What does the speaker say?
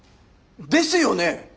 ですよね！